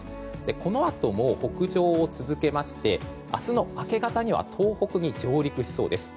このあと北上を続けて明日の明け方に東北に上陸しそうです。